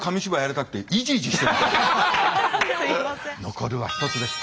残るは１つですか。